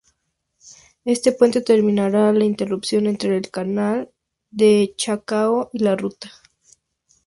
Este puente terminará la interrupción entre el Canal de Chacao y la ruta.